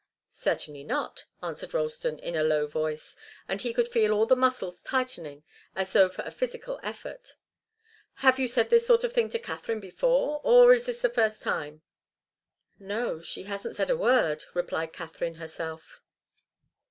"Certainly not," answered Ralston, in a low voice, and he could feel all his muscles tightening as though for a physical effort. "Have you said this sort of thing to Katharine before, or is this the first time?" "No, she hasn't said a word," replied Katharine herself.